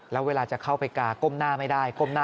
แล้วเวลาจะเข้าไปกาก้มหน้าไม่ได้